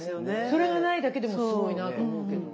それがないだけでもすごいなあと思うけど。